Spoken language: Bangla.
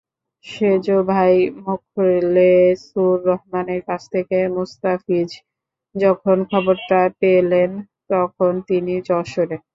সেজো ভাই মোখলেছুর রহমানের কাছ থেকে মুস্তাফিজ যখন খবরটা পেলেন, তখন তিনি যশোরে।